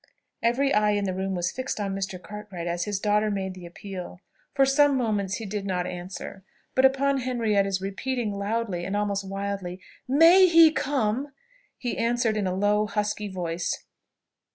Every eye in the room was fixed on Mr. Cartwright, as his daughter made the appeal. For some moments he did not answer; but upon Henrietta's repeating loudly, and almost wildly, "May he come?" he answered in a low, husky voice.